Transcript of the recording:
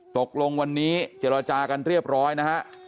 ตกลงวันนี้เจรจากันเรียบร้อยนะฮะ